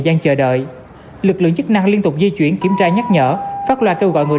gian chờ đợi lực lượng chức năng liên tục di chuyển kiểm tra nhắc nhở phát loa kêu gọi người